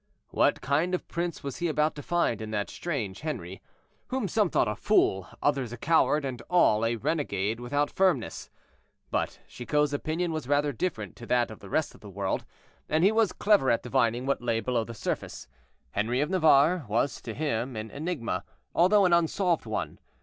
What kind of prince was he about to find in that strange Henri, whom some thought a fool, others a coward, and all a renegade without firmness. But Chicot's opinion was rather different to that of the rest of the world; and he was clever at divining what lay below the surface. Henri of Navarre was to him an enigma, although an unsolved one.